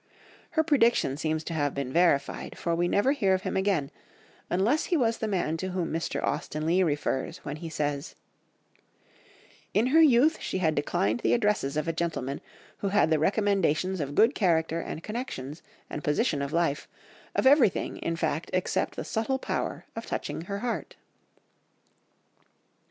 Her prediction seems to have been verified, for we never hear of him again, unless he was the man to whom Mr. Austen Leigh refers when he says— "In her youth she had declined the addresses of a gentleman who had the recommendations of good character and connections, and position of life, of everything in fact except the subtle power of touching her heart."